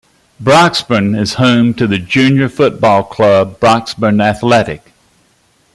Broxburn is home to the junior football club Broxburn Athletic.